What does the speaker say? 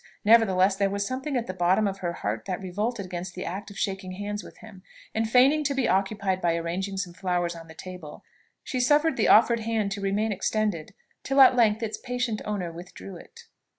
Nevertheless, there was something at the bottom of her heart that revolted against the act of shaking hands with him; and feigning to be occupied by arranging some flowers on the table, she suffered the offered hand to remain extended, till at length its patient owner withdrew it.